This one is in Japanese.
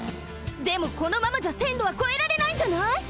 でもこのままじゃせんろはこえられないんじゃない？